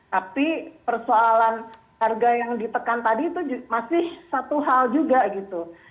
tapi persoalan harga yang ditekan tadi itu masih satu hal juga gitu